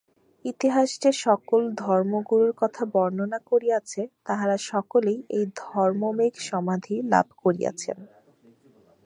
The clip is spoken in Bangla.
ইতিহাস যে-সকল ধর্মগুরুর কথা বর্ণনা করিয়াছে, তাঁহারা সকলেই এই ধর্মমেঘ-সমাধি লাভ করিয়াছিলেন।